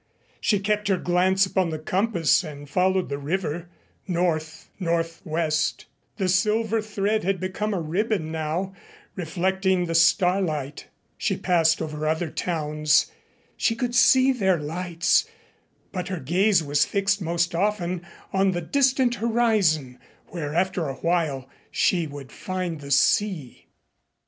She kept her glance on the compass and followed the river. North northwest. The silver thread had become a ribbon now, reflecting the starlight. She passed over other towns. She could see their lights, but her gaze was fixed most often on the distant horizon, where after a while she would find the sea.